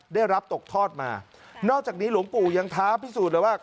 ได้รับตกทอดมานอกจากนี้หลวงปู่ยังท้าพิสูจน์เลยว่า